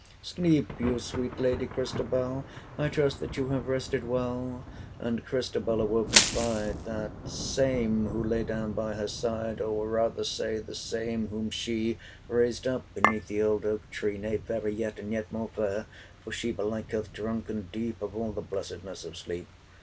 'Sleep you, sweet lady Christabel? I trust that you have rested well.' And Christabel awoke and spied 370 The same who lay down by her side O rather say, the same whom she Raised up beneath the old oak tree! Nay, fairer yet! and yet more fair! For she belike hath drunken deep 375 Of all the blessedness of sleep!